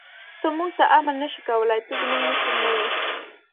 ته موږ ته امر نه شې کولای، ته زموږ مشر نه یې.